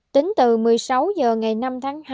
tính từ một mươi sáu h ngày năm tháng hai